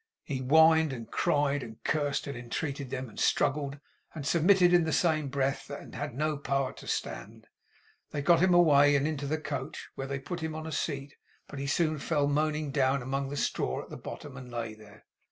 He whined, and cried, and cursed, and entreated them, and struggled, and submitted, in the same breath, and had no power to stand. They got him away and into the coach, where they put him on a seat; but he soon fell moaning down among the straw at the bottom, and lay there.